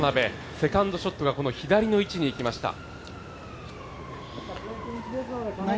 セカンドショットがこの左の位置にいきました。